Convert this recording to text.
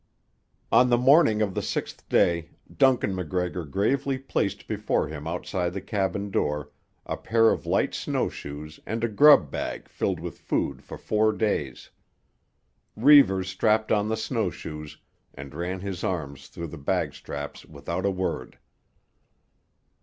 On the morning of the sixth day Duncan MacGregor gravely placed before him outside the cabin door a pair of light snowshoes and a grub bag filled with food for four days. Reivers strapped on the snowshoes and ran his arms through the bagstraps without a word.